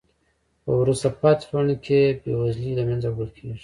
په وروسته پاتې ټولنو کې بې وزلۍ له منځه وړل کیږي.